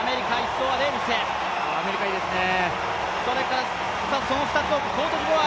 アメリカいいですね。